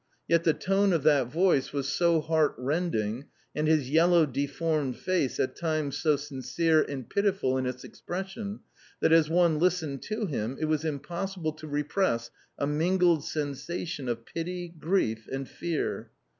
Yet the tone of that voice was so heartrending, and his yellow, deformed face at times so sincere and pitiful in its expression, that, as one listened to him, it was impossible to repress a mingled sensation of pity, grief, and fear.